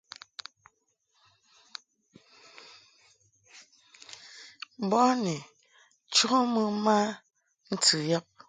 Boni cho mɨ ma ntɨ yab.